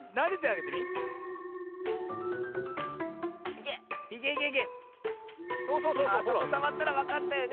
あっそこさわったらわかったよね！